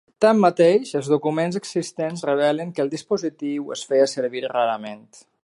Tanmateix, els documents existents revelen que el dispositiu es feia servir rarament.